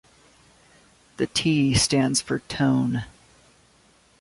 The T stands for "Tone".